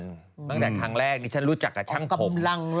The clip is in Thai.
ตั้งแต่ครั้งแรกนี่ฉันรู้จักกับช่างผม